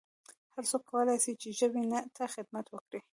هرڅوک کولای سي چي ژبي ته خدمت وکړي